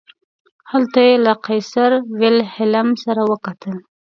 هلته یې له قیصر ویلهلم سره وکتل.